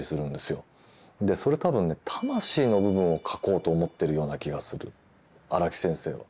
それは多分ね「魂」の部分を描こうと思ってるような気がする荒木先生は。